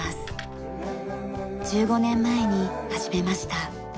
１５年前に始めました。